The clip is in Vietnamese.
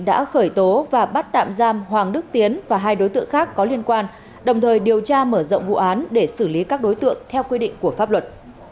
đã khởi tố và bắt tạm giam hoàng đức tiến và hai đối tượng khác có liên quan đồng thời điều tra mở rộng vụ án để xử lý các đối tượng theo quy định của pháp luật